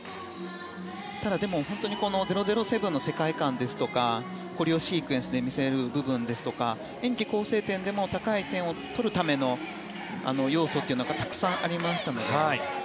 ただ、本当にこの「００７」の世界観ですとかコレオシークエンスで見せる部分ですとか演技構成点でも高い点を取るための要素がたくさんありましたので。